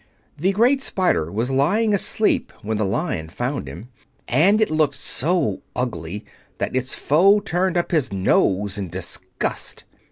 The great spider was lying asleep when the Lion found him, and it looked so ugly that its foe turned up his nose in disgust.